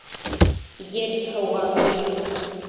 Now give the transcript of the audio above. Ер һыуға туймай